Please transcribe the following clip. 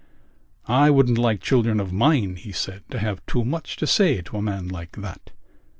"I wouldn't like children of mine," he said, "to have too much to say to a man like that."